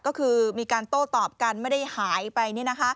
ก็คือมีการโต้ตอบกันไม่ได้หายไป